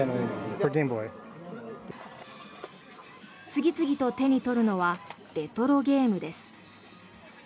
次々と手に取るのはレトロゲームです。